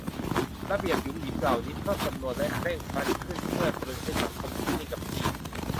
ระเบียบหยุมหยิมเหล่านี้ เพิ่มจำนวนและเคร่งครัดขึ้น เพื่อตรึงให้สังคมหยุดนิ่งกับที่